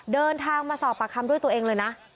เดินทางมาสอบปากคำด้วยตัวเองเลยนะ